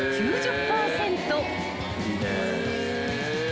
いいね。へ。